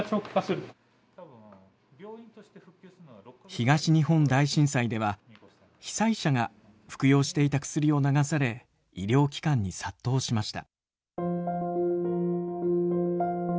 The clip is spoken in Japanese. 東日本大震災では被災者が服用していた薬を流され医療機関に殺到しました。